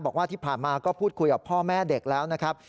บอกว่าที่ผ่านมาก็พูดคุยกับพ่อแม่เด็กแล้วนะครับ